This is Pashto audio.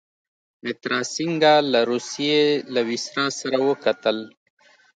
مترا سینګه له روسيې له ویسرا سره وکتل.